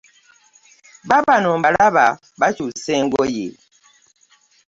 Baabano mbalaba bakyusa engoye.